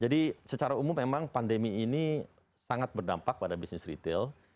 jadi secara umum memang pandemi ini sangat berdampak pada bisnis retail